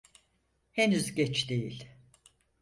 Henüz geç değil.